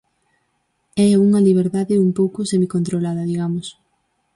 É unha liberdade un pouco semicontrolada, digamos.